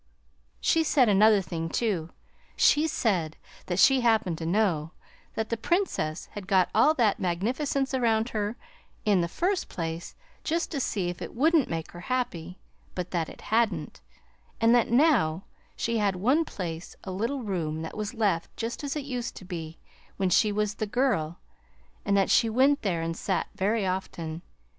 She said another thing, too. She said that she happened to know that the Princess had got all that magnificence around her in the first place just to see if it wouldn't make her happy, but that it hadn't, and that now she had one place a little room that was left just as it used to be when she was the girl, and that she went there and sat very often.